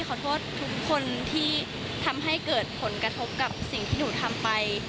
ขอโทษทุกคนที่ทำให้เกิดผลกระทบกับสิ่งที่หนูทำไป